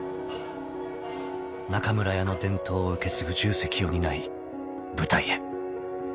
［中村屋の伝統を受け継ぐ重責を担い舞台へ］